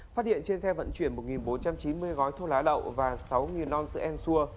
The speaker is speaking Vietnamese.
phát hiện trên xe vận chuyển một bốn trăm chín mươi gói thu lá lậu